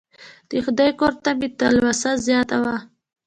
د خدای کور ته مې تلوسه زیاته وه.